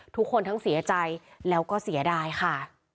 ทุกคนทั้งเสียใจแล้วก็เสียดายค่ะ